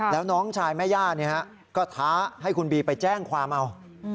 แล้วน้องชายแม่ย่าก็ท้าให้คุณบีไปแจ้งความเอา